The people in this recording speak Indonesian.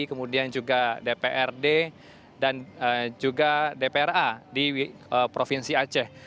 kemudian juga dpr d dan juga dpr a di provinsi aceh